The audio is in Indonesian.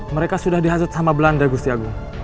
mereka sudah dihasut sama belanda gusti agung